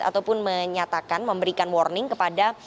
ataupun menyatakan memberikan warning kepada